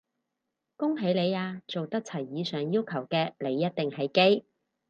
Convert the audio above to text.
恭喜你啊，做得齊以上要求嘅你一定係基！